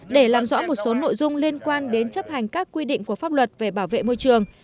để làm rõ một số nội dung liên quan đến chấp hành các quy định của pháp luật về bảo vệ môi trường